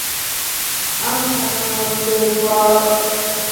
ამ თანამდებობაზე ჩაანაცვლა სერგეი ლებედევი, რომელიც დსთ-ს აღმასრულებელი მდივანი გახდა.